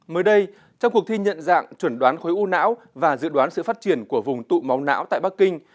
mới đây trong cuộc thi nhận dạng chuẩn đoán khối u não và dự đoán sự phát triển của vùng tụ máu não tại bắc kinh